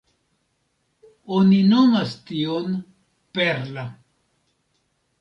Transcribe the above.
Oni nomas tion "perla".